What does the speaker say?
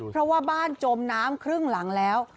เพราะว่าบ้านจมน้ำครึ่งหลังแล้ว